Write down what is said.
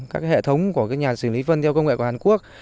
các hệ thống của nhà xử lý vân theo công nghệ của hàn quốc